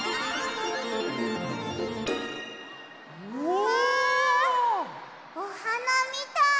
うわ！おはなみたい！